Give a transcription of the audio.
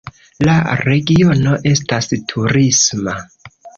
La regiono estas turisma.